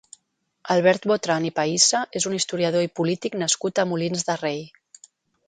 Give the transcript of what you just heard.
Albert Botran i Pahissa és un historiador i polític nascut a Molins de Rei.